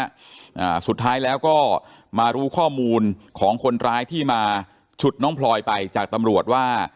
อ่าสุดท้ายแล้วก็มารู้ข้อมูลของคนร้ายที่มาฉุดน้องพลอยไปจากตำรวจว่า